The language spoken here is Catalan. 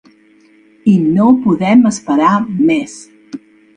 I no podem esperar més.